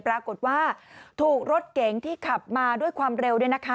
ปรากฏว่าถูกรถเก๋งที่ขับมาด้วยความเร็ว